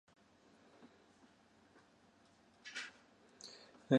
冷えてるか～